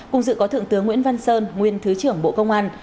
cùng dự có thượng tướng nguyễn văn sơn nguyên thứ trưởng bộ công an